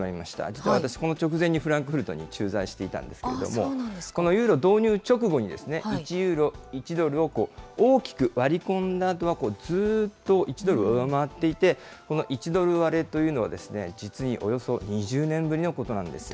実は私、その直前にフランクフルトに駐在していたんですけれども、このユーロ導入直後に１ユーロ、１ドルを大きく割り込んだあとは、ずっと１ドルを上回っていて、この１ドル割れというのは実におよそ２０年ぶりのことなんです。